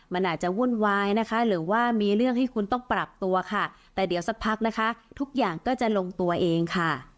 มันอาจจะวุ่นวายนะคะหรือว่ามีเรื่องให้คุณต้องปรับตัวค่ะแต่เดี๋ยวสักพักนะคะทุกอย่างก็จะลงตัวเองค่ะ